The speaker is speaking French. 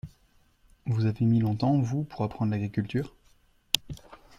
Vous avez mis longtemps, vous, pour apprendre l’agriculture?